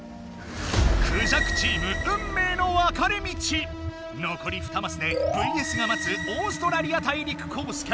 クジャクチーム残り２マスで「ＶＳ．」がまつオーストラリア大陸コースか？